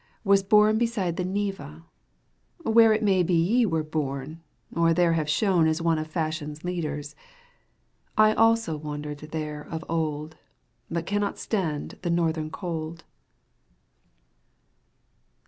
Was bom beside the Neva, where It may be ye were bom, or there Have shone as one of fashion's leaders. I also wandered there of old. But cannot stand the northern cold.